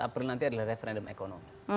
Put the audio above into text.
tujuh belas april nanti adalah referendum ekonomi